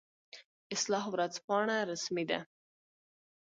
اصلاح ورځپاڼه رسمي ده